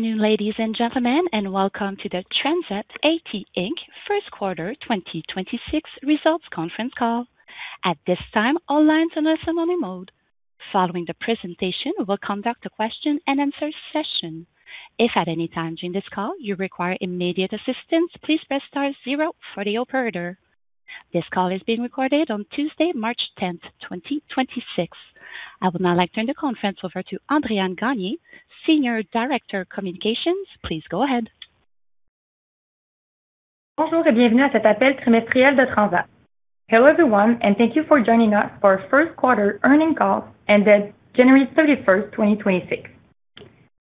Good afternoon, ladies and gentlemen, and welcome to the Transat A.T. Inc First Quarter 2026 Results Conference Call. At this time, all lines are in listen-only mode. Following the presentation, we'll conduct a question-and-answer session. If at any time during this call you require immediate assistance, please press star zero for the operator. This call is being recorded on Tuesday, March 10th, 2026. I would now like to turn the conference over to Andréan Gagné, Senior Director, Communications. Please go ahead. Bonjour et bienvenue à cet appel trimestriel de Transat. Hello, everyone, and thank you for joining us for our first quarter earnings call ended January 31st, 2026.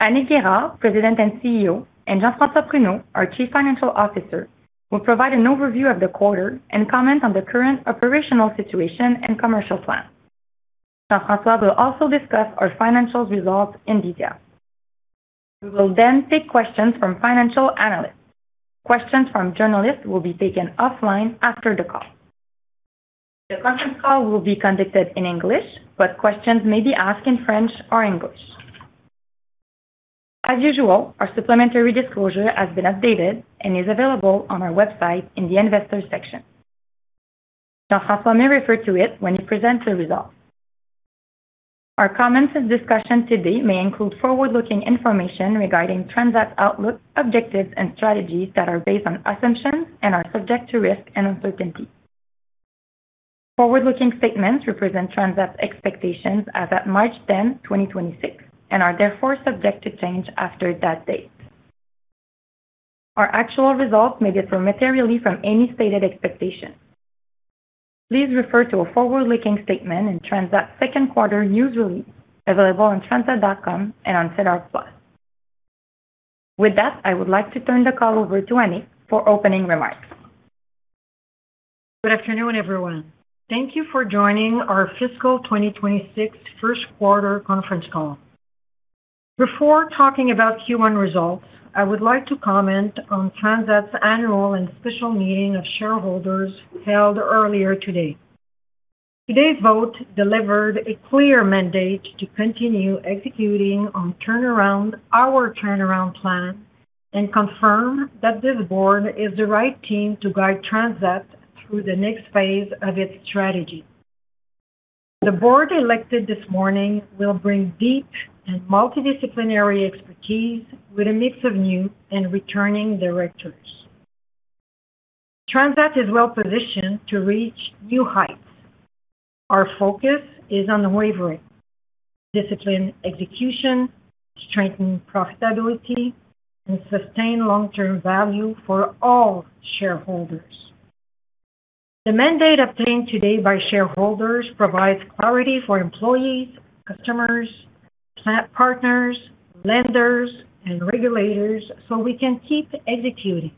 Annick Guérard, President and CEO, and Jean-François Pruneau, our Chief Financial Officer, will provide an overview of the quarter and comment on the current operational situation and commercial plans. Jean-François will also discuss our financial results in detail. We will then take questions from financial analysts. Questions from journalists will be taken offline after the call. The conference call will be conducted in English, but questions may be asked in French or English. As usual, our supplementary disclosure has been updated and is available on our website in the Investors section. Jean-François may refer to it when he presents the results. Our comments and discussion today may include forward-looking information regarding Transat's outlook, objectives, and strategies that are based on assumptions and are subject to risk and uncertainty. Forward-looking statements represent Transat's expectations as at March tenth, 2026, and are therefore subject to change after that date. Our actual results may differ materially from any stated expectations. Please refer to a forward-looking statement in Transat's second quarter news release, available on transat.com and on SEDAR+. With that, I would like to turn the call over to Annick for opening remarks. Good afternoon, everyone. Thank you for joining our fiscal 2026 first quarter conference call. Before talking about Q1 results, I would like to comment on Transat's Annual and Special Meeting of Shareholders held earlier today. Today's vote delivered a clear mandate to continue executing on our turnaround plan and confirm that this board is the right team to guide Transat through the next phase of its strategy. The board elected this morning will bring deep and multidisciplinary expertise with a mix of new and returning directors. Transat is well-positioned to reach new heights. Our focus is unwavering, disciplined execution, strengthen profitability, and sustain long-term value for all shareholders. The mandate obtained today by shareholders provides clarity for employees, customers, plant partners, lenders, and regulators so we can keep executing.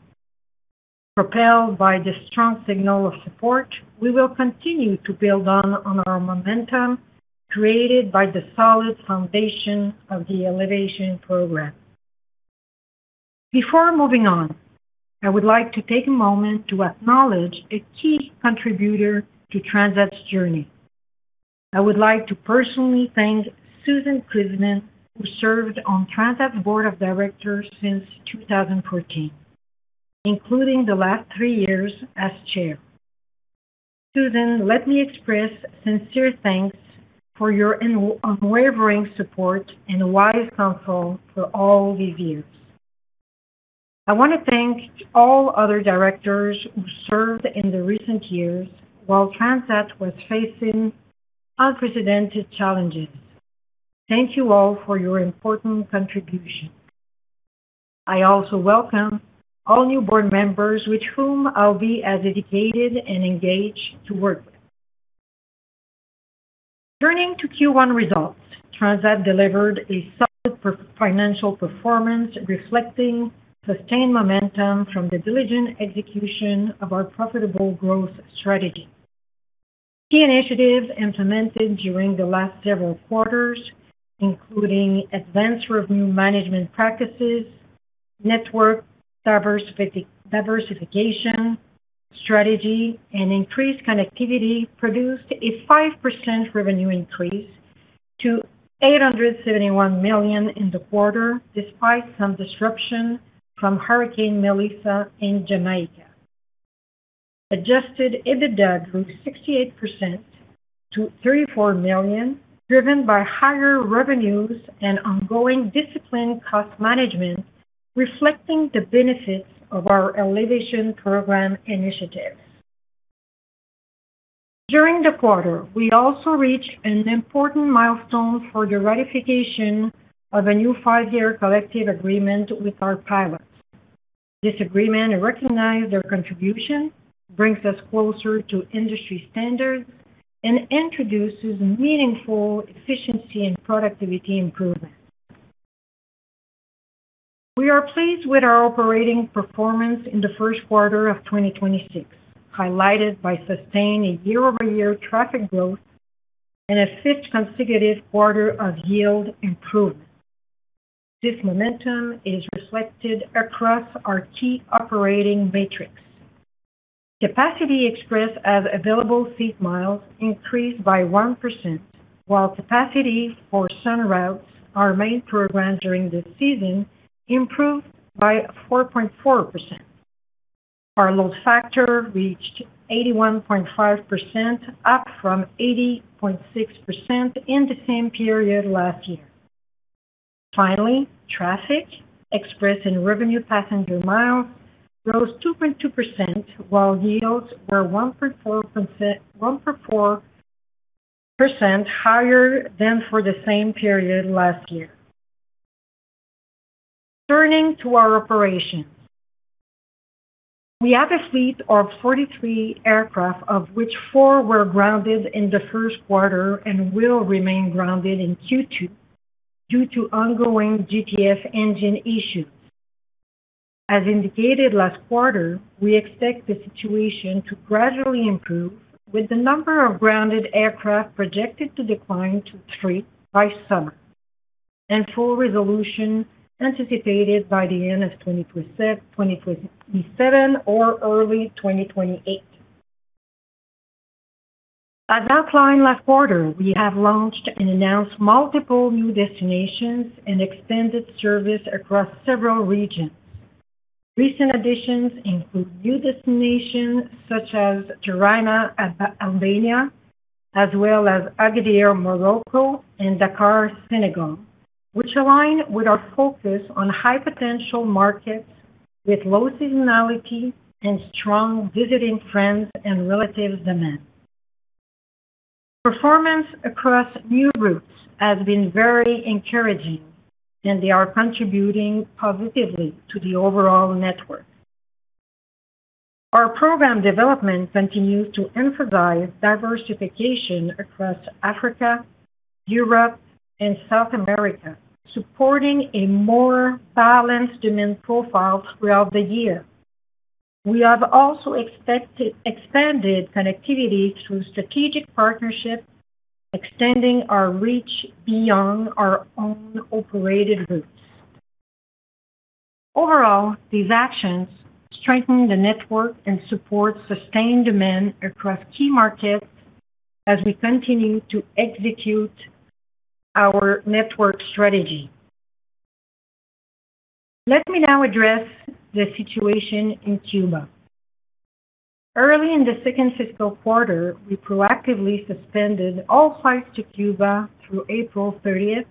Propelled by the strong signal of support, we will continue to build on our momentum created by the solid foundation of the Elevation Program. Before moving on, I would like to take a moment to acknowledge a key contributor to Transat's journey. I would like to personally thank Susan Kudzman, who served on Transat's Board of Directors since 2014, including the last three years as Chair. Susan, let me express sincere thanks for your unwavering support and wise counsel through all these years. I wanna thank all other directors who served in the recent years while Transat was facing unprecedented challenges. Thank you all for your important contribution. I also welcome all new board members with whom I'll be as dedicated and engaged to work with. Turning to Q1 results, Transat delivered a solid financial performance reflecting sustained momentum from the diligent execution of our profitable growth strategy. Key initiatives implemented during the last several quarters, including advanced revenue management practices, network diversification, strategy, and increased connectivity produced a 5% revenue increase to 871 million in the quarter, despite some disruption from Hurricane Melissa in Jamaica. Adjusted EBITDA grew 68% to 34 million, driven by higher revenues and ongoing disciplined cost management, reflecting the benefits of our Elevation Program initiatives. During the quarter, we also reached an important milestone for the ratification of a new five-year collective agreement with our pilots. This agreement will recognize their contribution, brings us closer to industry standards, and introduces meaningful efficiency and productivity improvements. We are pleased with our operating performance in the first quarter of 2026, highlighted by sustained year-over-year traffic growth and a fifth consecutive quarter of yield improvement. This momentum is reflected across our key operating metrics. Capacity expressed as available seat miles increased by 1%, while capacity for Sun routes, our main program during this season, improved by 4.4%. Our load factor reached 81.5%, up from 80.6% in the same period last year. Finally, traffic expressed in revenue passenger mile rose 2.2%, while yields were 1.4% higher than for the same period last year. Turning to our operations. We have a fleet of 43 aircraft, of which four were grounded in the first quarter and will remain grounded in Q2 due to ongoing GTF engine issues. As indicated last quarter, we expect the situation to gradually improve with the number of grounded aircraft projected to decline to three by summer, and full resolution anticipated by the end of 2027 or early 2028. As outlined last quarter, we have launched and announced multiple new destinations and extended service across several regions. Recent additions include new destinations such as Tirana, Albania, as well as Agadir, Morocco and Dakar, Senegal, which align with our focus on high potential markets with low seasonality and strong visiting friends and relatives demand. Performance across new routes has been very encouraging and they are contributing positively to the overall network. Our program development continues to emphasize diversification across Africa, Europe and South America, supporting a more balanced demand profile throughout the year. We have also expanded connectivity through strategic partnerships, extending our reach beyond our own operated routes. Overall, these actions strengthen the network and support sustained demand across key markets as we continue to execute our network strategy. Let me now address the situation in Cuba. Early in the second fiscal quarter, we proactively suspended all flights to Cuba through April 30th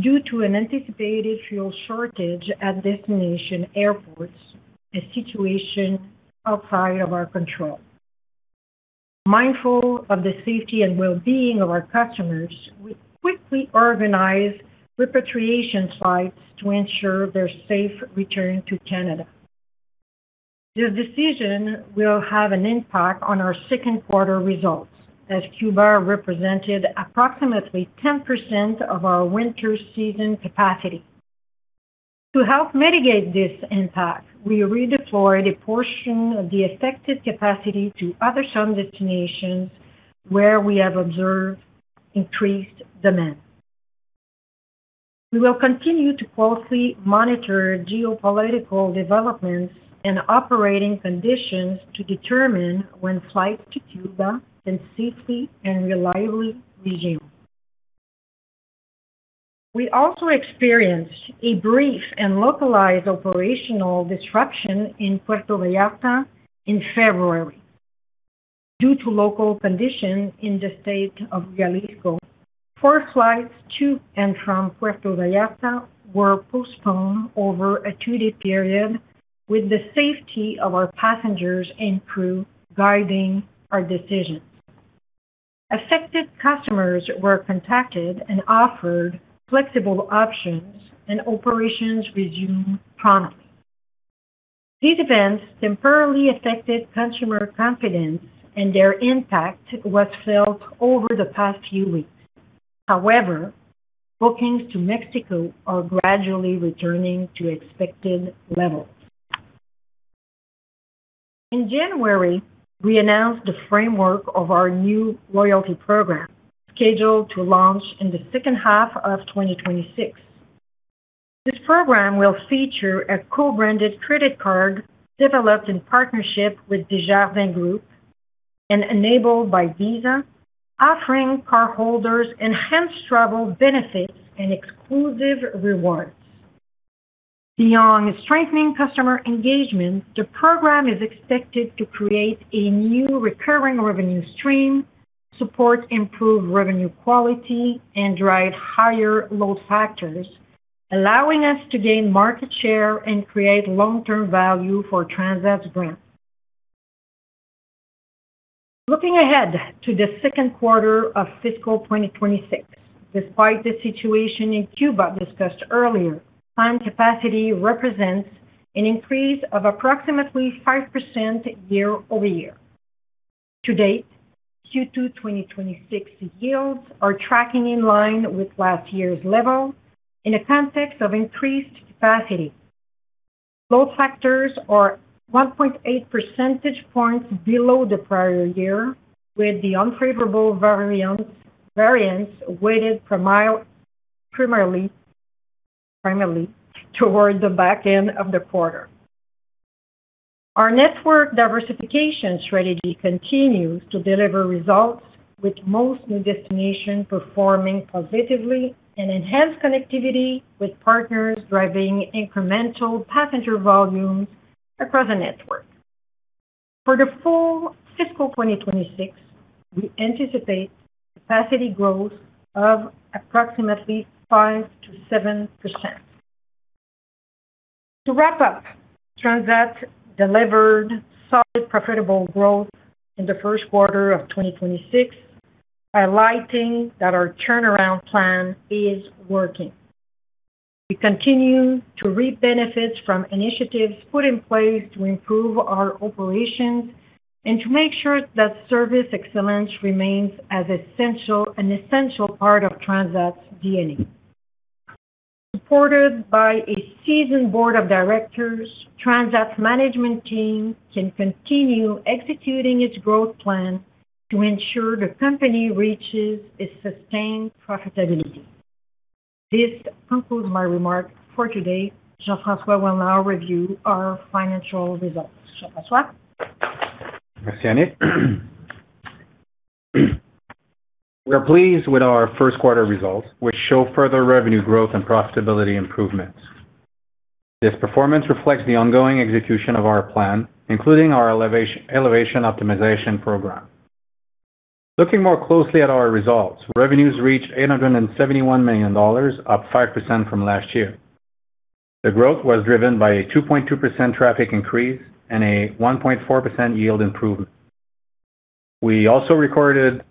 due to an anticipated fuel shortage at destination airports, a situation outside of our control. Mindful of the safety and well-being of our customers, we quickly organized repatriation flights to ensure their safe return to Canada. This decision will have an impact on our second quarter results, as Cuba represented approximately 10% of our winter season capacity. To help mitigate this impact, we redeployed a portion of the affected capacity to other Sun destinations where we have observed increased demand. We will continue to closely monitor geopolitical developments and operating conditions to determine when flights to Cuba can safely and reliably resume. We also experienced a brief and localized operational disruption in Puerto Vallarta in February. Due to local conditions in the state of Jalisco, four flights to and from Puerto Vallarta were postponed over a two-day period, with the safety of our passengers and crew guiding our decisions. Affected customers were contacted and offered flexible options and operations resumed promptly. These events temporarily affected consumer confidence and their impact was felt over the past few weeks. However, bookings to Mexico are gradually returning to expected levels. In January, we announced the framework of our new loyalty program, scheduled to launch in the second half of 2026. This program will feature a co-branded credit card developed in partnership with Desjardins Group and enabled by Visa, offering cardholders enhanced travel benefits and exclusive rewards. Beyond strengthening customer engagement, the program is expected to create a new recurring revenue stream, support improved revenue quality, and drive higher load factors, allowing us to gain market share and create long-term value for Transat's brand. Looking ahead to the second quarter of fiscal 2026, despite the situation in Cuba discussed earlier, planned capacity represents an increase of approximately 5% year-over-year. To date, Q2 2026 yields are tracking in line with last year's level in the context of increased capacity. Load factors are 1.8 percentage points below the prior year, with the unfavorable variance weighted primarily towards the back end of the quarter. Our network diversification strategy continues to deliver results, with most new destinations performing positively and enhanced connectivity with partners driving incremental passenger volumes across the network. For the full fiscal 2026, we anticipate capacity growth of approximately 5%-7%. To wrap up, Transat delivered solid profitable growth in the first quarter of 2026, highlighting that our turnaround plan is working. We continue to reap benefits from initiatives put in place to improve our operations and to make sure that service excellence remains an essential part of Transat's DNA. Supported by a seasoned Board of Directors, Transat's management team can continue executing its growth plan to ensure the company reaches its sustained profitability. This concludes my remarks for today. Jean-François will now review our financial results. Jean-François. Merci, Annick. We are pleased with our first quarter results, which show further revenue growth and profitability improvements. This performance reflects the ongoing execution of our plan, including our Elevation Program. Looking more closely at our results, revenues reached 871 million dollars, up 5% from last year. The growth was driven by a 2.2% traffic increase and a 1.4% yield improvement. We also recorded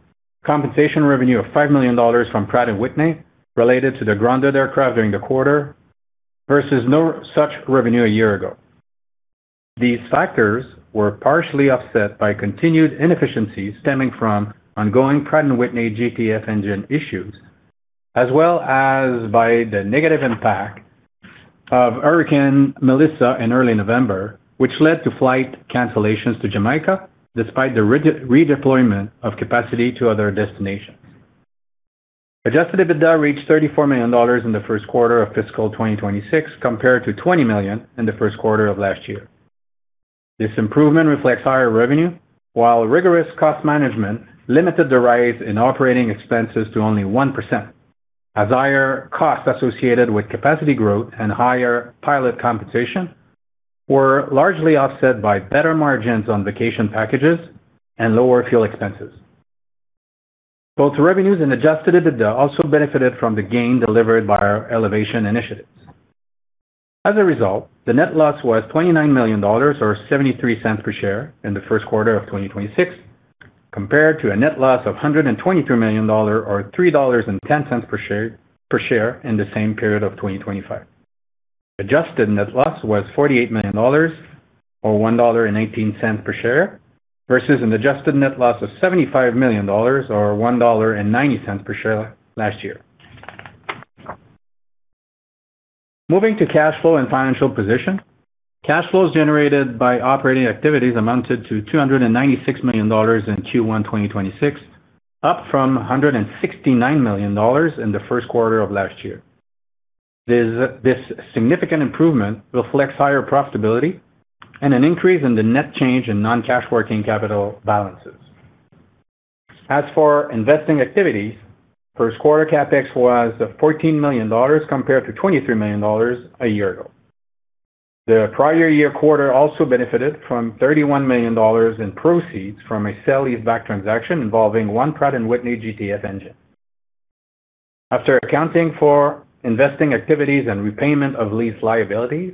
compensation revenue of 5 million dollars from Pratt & Whitney related to the grounded aircraft during the quarter versus no such revenue a year ago. These factors were partially offset by continued inefficiencies stemming from ongoing Pratt & Whitney GTF engine issues, as well as by the negative impact of Hurricane Melissa in early November, which led to flight cancellations to Jamaica despite the redeployment of capacity to other destinations. Adjusted EBITDA reached 34 million dollars in the first quarter of fiscal 2026 compared to 20 million in the first quarter of last year. This improvement reflects higher revenue, while rigorous cost management limited the rise in operating expenses to only 1%, as higher costs associated with capacity growth and higher pilot compensation were largely offset by better margins on vacation packages and lower fuel expenses. Both revenues and adjusted EBITDA also benefited from the gain delivered by our elevation initiatives. As a result, the net loss was 29 million dollars, or 0.73 per share in the first quarter of 2026, compared to a net loss of 122 million dollars, or 3.10 dollars per share in the same period of 2025. Adjusted net loss was 48 million dollars or 1.18 dollar per share, versus an adjusted net loss of 75 million dollars or 1.90 dollar per share last year. Moving to cash flow and financial position. Cash flows generated by operating activities amounted to 296 million dollars in Q1 2026, up from 169 million dollars in the first quarter of last year. This significant improvement reflects higher profitability and an increase in the net change in non-cash working capital balances. As for investing activities, first quarter CapEx was 14 million dollars compared to 23 million dollars a year ago. The prior-year quarter also benefited from 31 million dollars in proceeds from a sale leaseback transaction involving one Pratt & Whitney GTF engine. After accounting for investing activities and repayment of lease liabilities,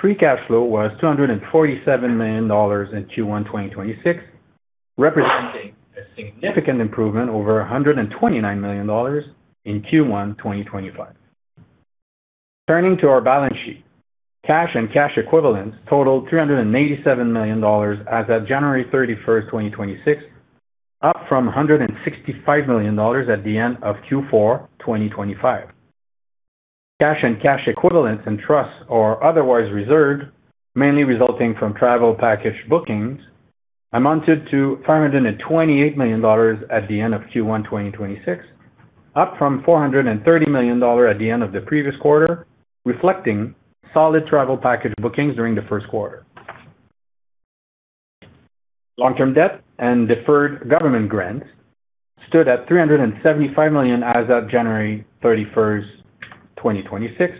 free cash flow was 247 million dollars in Q1 2026, representing a significant improvement over 129 million dollars in Q1 2025. Turning to our balance sheet. Cash and cash equivalents totaled 387 million dollars as of January 31st, 2026, up from 165 million dollars at the end of Q4 2025. Cash and cash equivalents and trusts or otherwise reserved, mainly resulting from travel package bookings, amounted to 528 million dollars at the end of Q1 2026, up from 430 million dollars at the end of the previous quarter, reflecting solid travel package bookings during the first quarter. Long-term debt and deferred government grants stood at 375 million as of January 31st, 2026,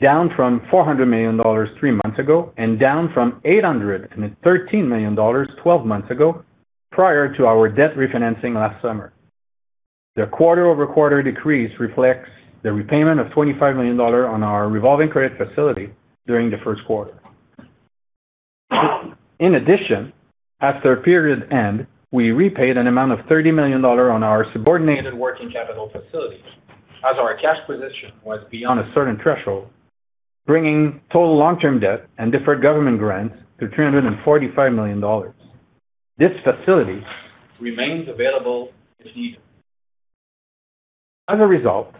down from 400 million dollars three months ago and down from 813 million dollars 12 months ago, prior to our debt refinancing last summer. The quarter-over-quarter decrease reflects the repayment of 25 million dollars on our revolving credit facility during the first quarter. In addition, at the period end, we repaid an amount of 30 million dollars on our subordinated working capital facility as our cash position was beyond a certain threshold, bringing total long-term debt and deferred government grants to 345 million dollars. This facility remains available as needed. As a result,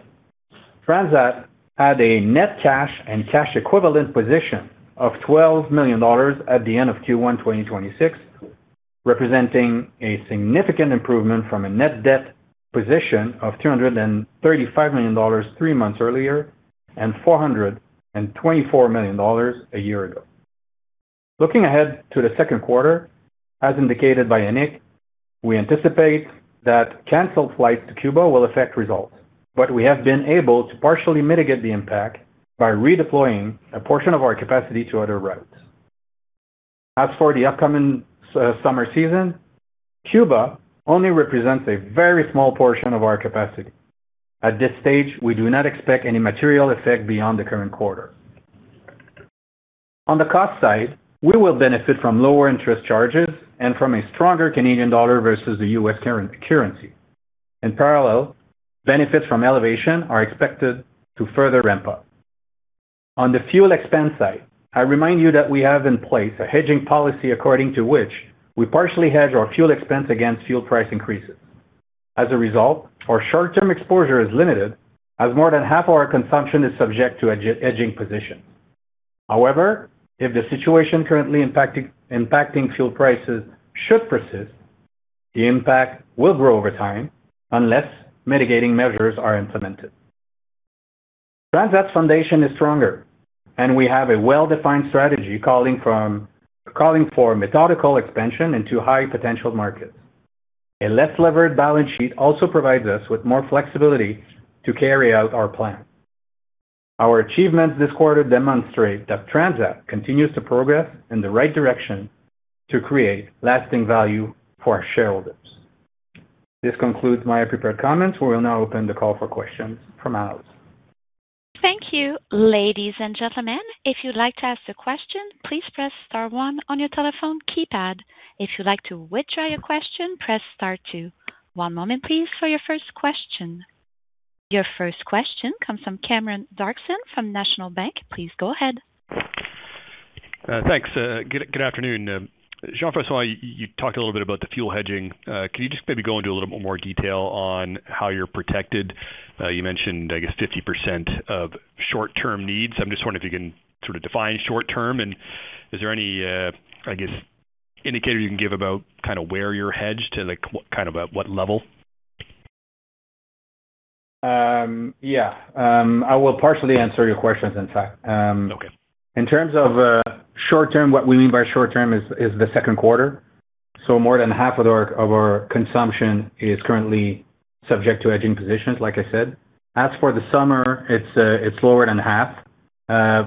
Transat had a net cash and cash equivalent position of 12 million dollars at the end of Q1 2026. Representing a significant improvement from a net debt position of 235 million dollars three months earlier and 424 million dollars a year ago. Looking ahead to the second quarter, as indicated by Annick, we anticipate that canceled flights to Cuba will affect results, but we have been able to partially mitigate the impact by redeploying a portion of our capacity to other routes. As for the upcoming summer season, Cuba only represents a very small portion of our capacity. At this stage, we do not expect any material effect beyond the current quarter. On the cost side, we will benefit from lower interest charges and from a stronger Canadian dollar versus the U.S. currency. In parallel, benefits from elevation are expected to further ramp up. On the fuel expense side, I remind you that we have in place a hedging policy according to which we partially hedge our fuel expense against fuel price increases. As a result, our short-term exposure is limited as more than half of our consumption is subject to a hedging position. However, if the situation currently impacting fuel prices should persist, the impact will grow over time unless mitigating measures are implemented. Transat's foundation is stronger and we have a well-defined strategy calling for methodical expansion into high-potential markets. A less levered balance sheet also provides us with more flexibility to carry out our plan. Our achievements this quarter demonstrate that Transat continues to progress in the right direction to create lasting value for our shareholders. This concludes my prepared comments. We will now open the call for questions from analysts. Thank you. Ladies and gentlemen, if you'd like to ask a question, please press star one on your telephone keypad. If you'd like to withdraw your question, press star two. One moment please for your first question. Your first question comes from Cameron Doerksen from National Bank. Please go ahead. Thanks. Good afternoon. Jean-François, you talked a little bit about the fuel hedging. Can you just maybe go into a little bit more detail on how you're protected? You mentioned, I guess, 50% of short term needs. I'm just wondering if you can sort of define short term and is there any, I guess, indicator you can give about kinda where your hedged to like kind of at what level? I will partially answer your questions, in fact. Okay. In terms of short term, what we mean by short term is the second quarter. More than half of our consumption is currently subject to hedging positions, like I said. As for the summer, it's lower than half,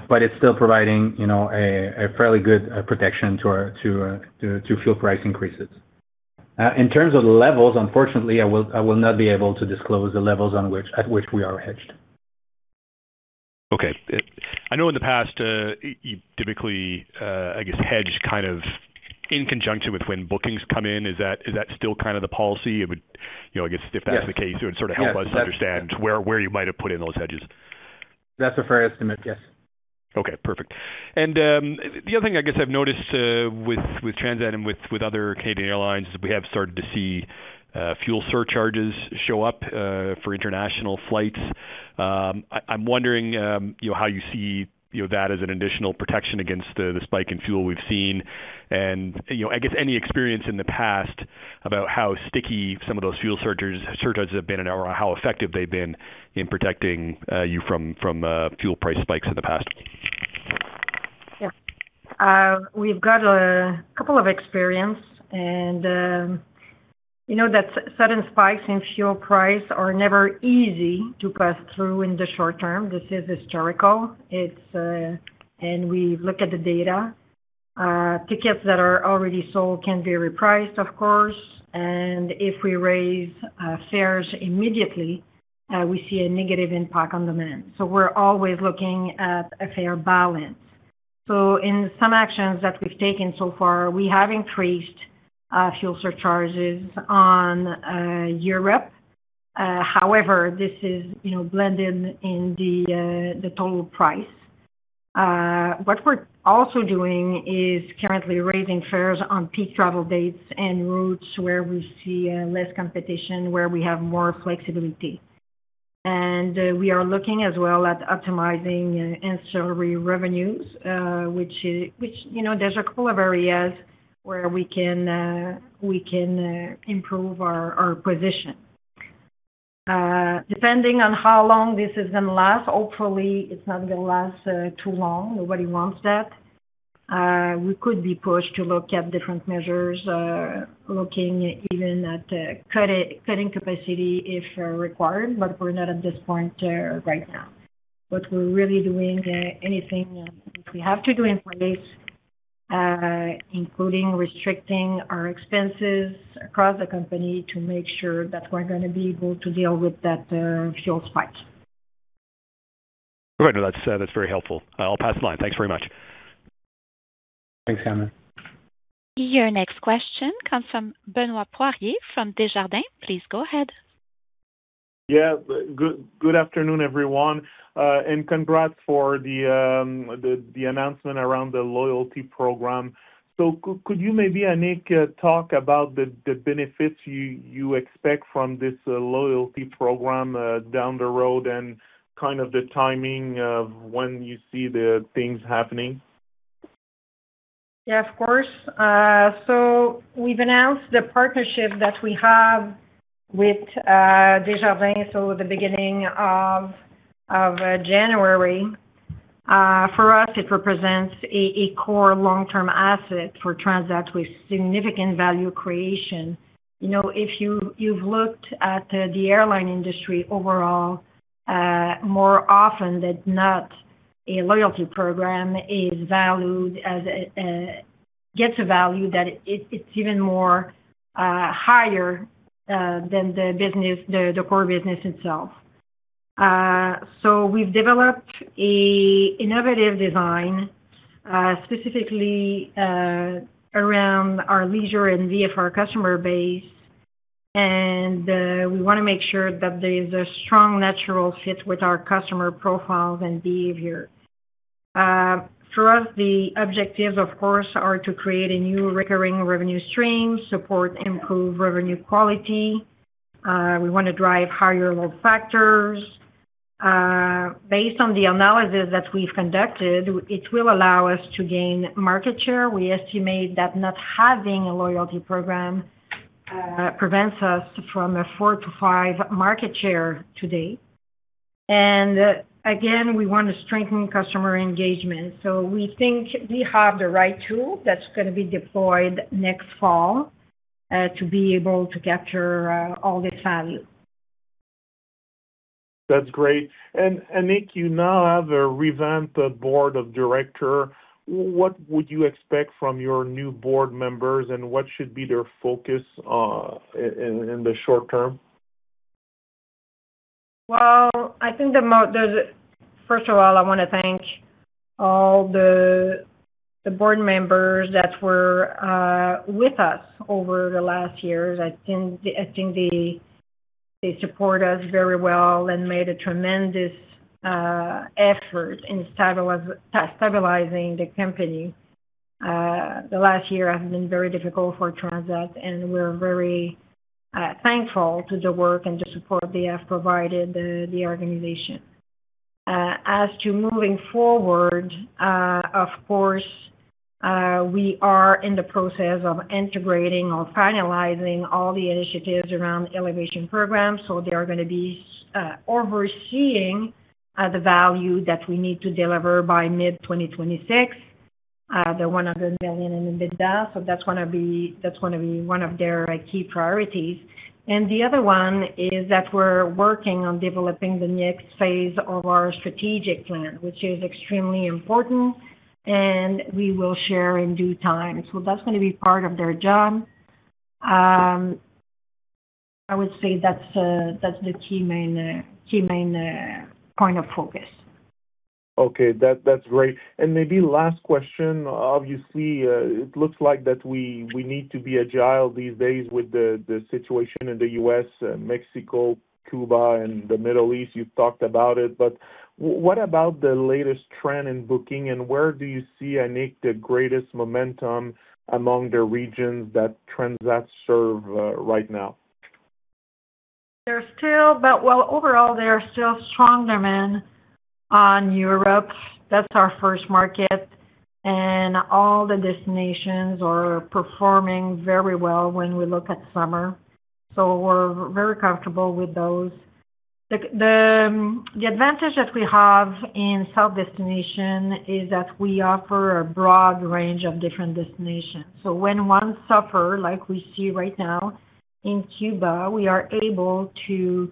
but it's still providing, you know, a fairly good protection to our fuel price increases. In terms of the levels, unfortunately, I will not be able to disclose the levels at which we are hedged. Okay. I know in the past, you typically, I guess, hedge kind of in conjunction with when bookings come in. Is that still kind of the policy? Yes. It would sort of help us understand where you might have put in those hedges. That's a fair estimate, yes. Okay, perfect. The other thing I guess I've noticed with Transat and with other Canadian airlines is we have started to see fuel surcharges show up for international flights. I'm wondering, you know, how you see, you know, that as an additional protection against the spike in fuel we've seen. You know, I guess any experience in the past about how sticky some of those fuel surcharges have been or how effective they've been in protecting you from fuel price spikes in the past. Yeah. We've got a couple of experience and you know that sudden spikes in fuel price are never easy to pass through in the short term. This is historical. It's. We look at the data. Tickets that are already sold can be repriced, of course. If we raise fares immediately, we see a negative impact on demand. We're always looking at a fair balance. In some actions that we've taken so far, we have increased fuel surcharges on Europe. However, this is you know blended in the total price. What we're also doing is currently raising fares on peak travel dates and routes where we see less competition, where we have more flexibility. We are looking as well at optimizing ancillary revenues, which, you know, there's a couple of areas where we can improve our position. Depending on how long this is gonna last. Hopefully, it's not gonna last too long. Nobody wants that. We could be pushed to look at different measures, looking even at cutting capacity if required, but we're not at this point right now. We're really doing anything that we have to do in place, including restricting our expenses across the company to make sure that we're gonna be able to deal with that fuel spike. Great. That's very helpful. I'll pass the line. Thanks very much. Thanks, Cameron. Your next question comes from Benoit Poirier from Desjardins. Please go ahead. Yeah. Good afternoon, everyone. Congrats for the announcement around the loyalty program. Could you maybe, Annick, talk about the benefits you expect from this loyalty program down the road and kind of the timing of when you see the things happening? Yeah, of course. We've announced the partnership that we have with Desjardins, so the beginning of January. For us, it represents a core long-term asset for Transat with significant value creation. You know, if you've looked at the airline industry overall, more often than not, a loyalty program is valued as gets a value that it's even more higher than the business, the core business itself. We've developed an innovative design, specifically, around our leisure and VFR customer base. We wanna make sure that there is a strong natural fit with our customer profiles and behavior. For us, the objectives, of course, are to create a new recurring revenue stream, support improved revenue quality. We wanna drive higher load factors. Based on the analysis that we've conducted, it will allow us to gain market share. We estimate that not having a loyalty program prevents us from 4%-5% market share today. We wanna strengthen customer engagement. We think we have the right tool that's gonna be deployed next fall to be able to capture all this value. That's great. Annick, you now have a revamped Board of Directors. What would you expect from your new Board Members, and what should be their focus, in the short term? First of all, I wanna thank all the Board Members that were with us over the last years. I think they support us very well and made a tremendous effort in stabilizing the company. The last year has been very difficult for Transat, and we're very thankful to the work and the support they have provided the organization. As to moving forward, of course, we are in the process of integrating or finalizing all the initiatives around Elevation Program, so they are gonna be overseeing the value that we need to deliver by mid-2026, the 100 million in EBITDA. That's gonna be one of their key priorities. The other one is that we're working on developing the next phase of our strategic plan, which is extremely important, and we will share in due time. That's gonna be part of their job. I would say that's the key main point of focus. Okay. That's great. Maybe last question. Obviously, it looks like that we need to be agile these days with the situation in the U.S., Mexico, Cuba and the Middle East. You've talked about it, but what about the latest trend in booking, and where do you see, Annick, the greatest momentum among the regions that Transat serve right now? Well, overall, there are still strong demand for Europe. That's our first market, and all the destinations are performing very well when we look at summer. We're very comfortable with those. The advantage that we have in South destinations is that we offer a broad range of different destinations. When one suffers, like we see right now in Cuba, we are able to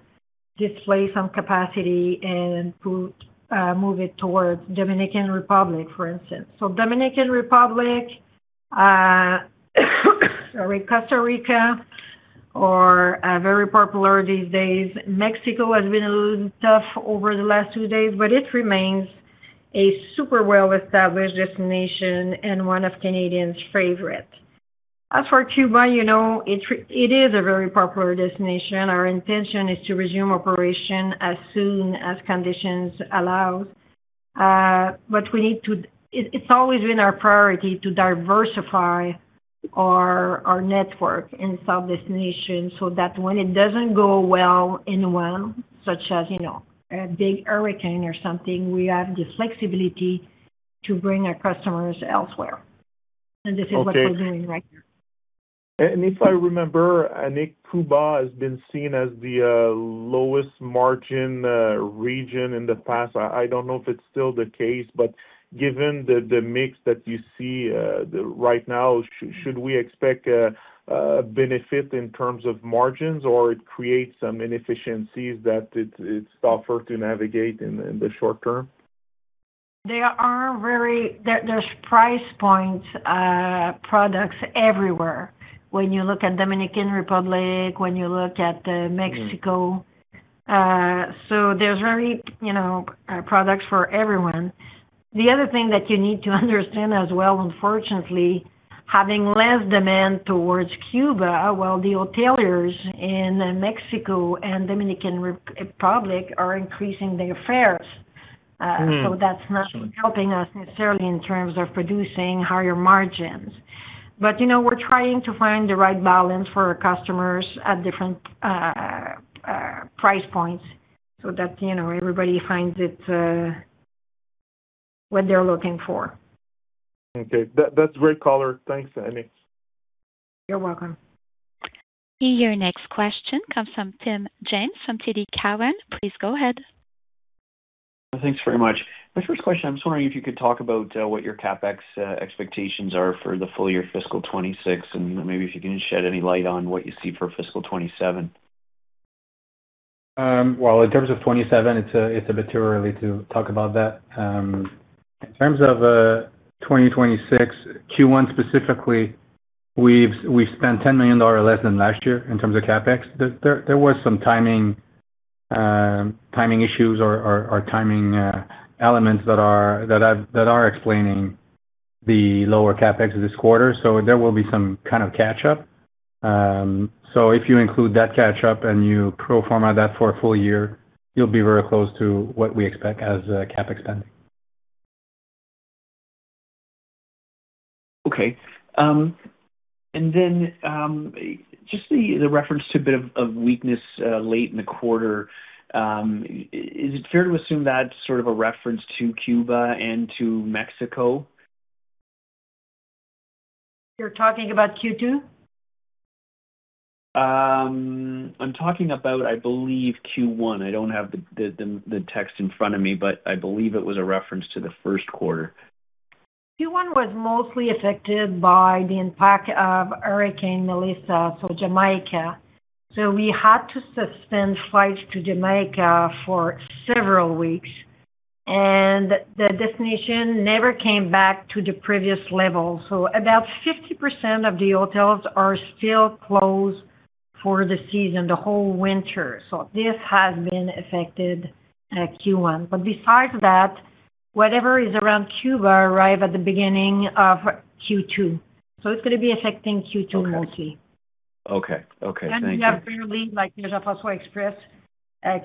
deploy some capacity and move it towards Dominican Republic, for instance. Dominican Republic, Costa Rica are very popular these days. Mexico has been a little tough over the last two days, but it remains a super well-established destination and one of Canadians' favorite. As for Cuba, it is a very popular destination. Our intention is to resume operations as soon as conditions allow. It's always been our priority to diversify our network in southern destinations so that when it doesn't go well in one, such as, you know, a big hurricane or something, we have this flexibility to bring our customers elsewhere. Okay. This is what we're doing right now. If I remember, Annick, Cuba has been seen as the lowest margin region in the past. I don't know if it's still the case, but given the mix that you see right now, should we expect a benefit in terms of margins, or it creates some inefficiencies that it's tougher to navigate in the short term? There's price points, products everywhere. When you look at Dominican Republic, when you look at Mexico. There's a variety of products for everyone. The other thing that you need to understand as well, unfortunately, having less demand for Cuba, while the hoteliers in Mexico and Dominican Republic are increasing their fares. That's not helping us necessarily in terms of producing higher margins. You know, we're trying to find the right balance for our customers at different price points so that, you know, everybody finds it what they're looking for. Okay. That's great color. Thanks, Annick. You're welcome. Your next question comes from Tim James from TD Cowen. Please go ahead. Thanks very much. My first question, I was wondering if you could talk about what your CapEx expectations are for the full-year fiscal 2026, and maybe if you can shed any light on what you see for fiscal 2027? Well, in terms of 2027, it's a bit too early to talk about that. In terms of 2026, Q1 specifically, we've spent 10 million dollars less than last year in terms of CapEx. There was some timing issues or timing elements that are explaining the lower CapEx this quarter. There will be some kind of catch-up. If you include that catch-up and you pro forma that for a full year, you'll be very close to what we expect as CapEx spending. Okay. Just the reference to a bit of weakness late in the quarter. Is it fair to assume that's sort of a reference to Cuba and to Mexico? You're talking about Q2? I'm talking about, I believe, Q1. I don't have the text in front of me, but I believe it was a reference to the first quarter. Q1 was mostly affected by the impact of Hurricane Melissa to Jamaica. We had to suspend flights to Jamaica for several weeks, and the destination never came back to the previous level. About 50% of the hotels are still closed for the season, the whole winter. This has been affected, Q1. Besides that, whatever is around Cuba arrive at the beginning of Q2. It's gonna be affecting Q2 mostly. Okay. Thank you. We have clearly, like, there's also express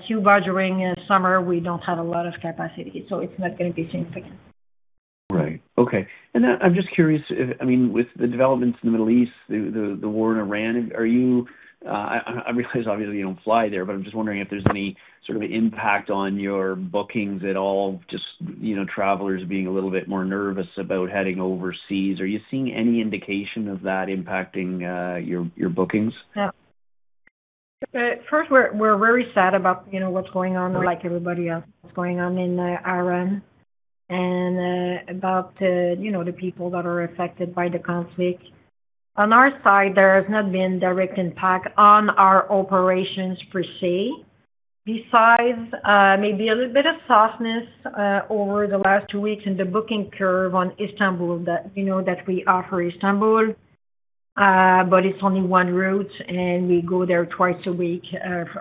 Cuba during summer, we don't have a lot of capacity, so it's not gonna be significant. Right. Okay. I'm just curious, I mean, with the developments in the Middle East, the war in Iran, I realize obviously you don't fly there, but I'm just wondering if there's any sort of impact on your bookings at all, just, you know, travelers being a little bit more nervous about heading overseas. Are you seeing any indication of that impacting your bookings? No. First, we're very sad about, you know, what's going on. Right. Like everybody else, what's going on in Iran and about, you know, the people that are affected by the conflict. On our side, there has not been direct impact on our operations per se. Besides, maybe a little bit of softness over the last two weeks in the booking curve on Istanbul that, you know, we offer Istanbul, but it's only one route, and we go there twice a week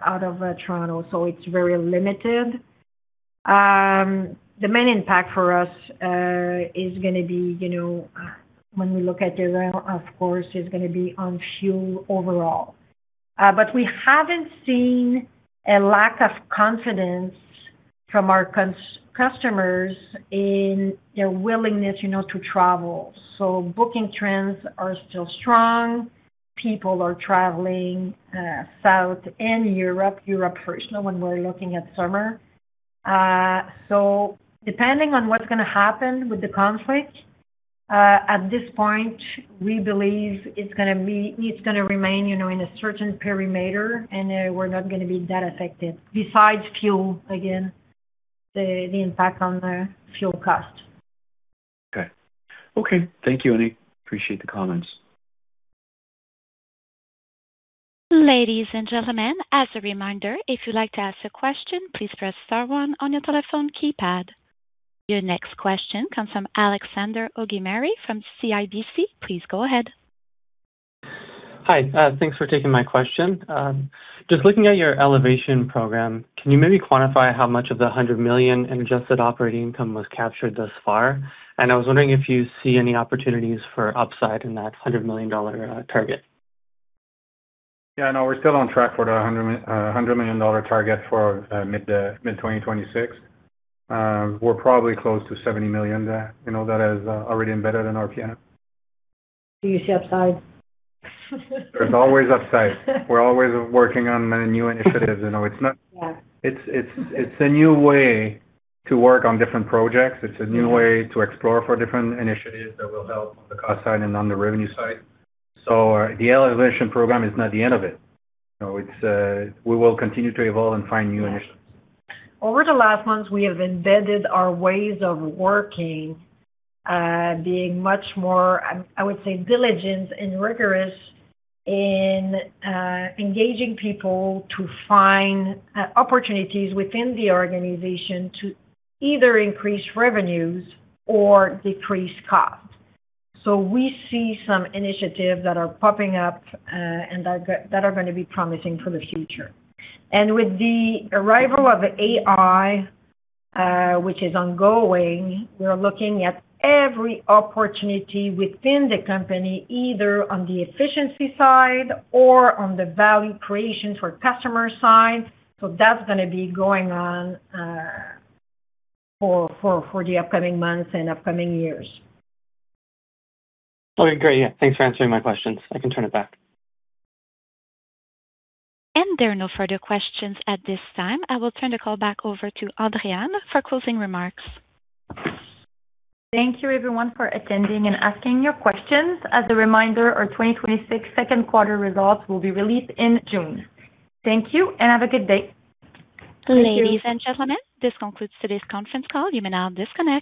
out of Toronto, so it's very limited. The main impact for us is gonna be, you know, when we look at the realm, of course, it's gonna be on fuel overall. But we haven't seen a lack of confidence from our customers in their willingness, you know, to travel. Booking trends are still strong. People are traveling south and Europe. Europe, personally, when we're looking at summer. Depending on what's gonna happen with the conflict, at this point, we believe it's gonna remain, you know, in a certain perimeter, and we're not gonna be that affected besides fuel, again, the impact on the fuel cost. Okay. Thank you, Annick. Appreciate the comments. Ladies and gentlemen, as a reminder, if you'd like to ask a question, please press star one on your telephone keypad. Your next question comes from Alexander Augimeri from CIBC. Please go ahead. Hi. Thanks for taking my question. Just looking at your Elevation Program, can you maybe quantify how much of the 100 million in adjusted operating income was captured thus far? I was wondering if you see any opportunities for upside in that 100 million dollar target. Yeah. No, we're still on track for the 100 million dollar target for mid-2026. We're probably close to 70 million that, you know, that is already embedded in our P&L. Do you see upside? There's always upside. We're always working on many new initiatives. Yeah. It's a new way to work on different projects. It's a new way to explore for different initiatives that will help on the cost side and on the revenue side. The Elevation Program is not the end of it. You know, we will continue to evolve and find new initiatives. Over the last months, we have embedded our ways of working, being much more, I would say diligent and rigorous in, engaging people to find, opportunities within the organization to either increase revenues or decrease costs. We see some initiatives that are popping up, and that are gonna be promising for the future. With the arrival of AI, which is ongoing, we are looking at every opportunity within the company, either on the efficiency side or on the value creation for customer side. That's gonna be going on, for the upcoming months and upcoming years. Okay, great. Yeah. Thanks for answering my questions. I can turn it back. There are no further questions at this time. I will turn the call back over to Andréan for closing remarks. Thank you everyone for attending and asking your questions. As a reminder, our 2026 second quarter results will be released in June. Thank you and have a good day. Ladies and gentlemen, this concludes today's conference call. You may now disconnect.